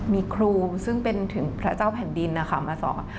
มีครูซึ่งเป็นถึงพระเจ้าแผ่นดินนะคะมาสอน